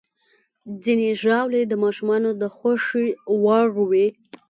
ځینې ژاولې د ماشومانو د خوښې وړ وي.